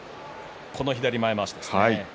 左前まわしですね。